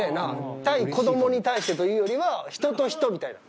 対子どもに対してというよりは人と人みたいな。